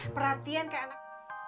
perhatian kayak anak